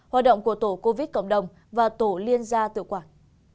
hoạt động của tổ covid cộng đồng và tổ liên gia tự quản